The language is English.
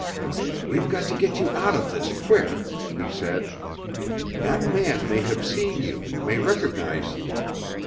"We've got to get out of this quick!" he said. "That man may have seen you, may recognize you.